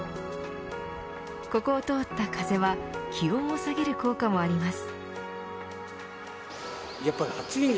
ここを通った風は気温を下げる効果もあります。